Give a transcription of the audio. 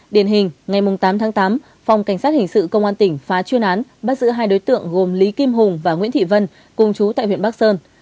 điển hình ngày tám tháng tám phòng cảnh sát hình sự công an tỉnh phá chuyên án bắt giữ hai đối tượng gồm lý kim hùng và nguyễn thị vân cùng chú tại huyện bắc sơn